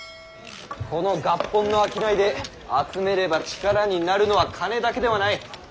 この合本の商いで集めれば力になるのは金だけではない。